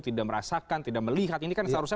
tidak merasakan tidak melihat ini kan seharusnya